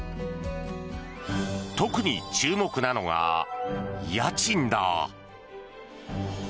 特に注目なのが家賃だ。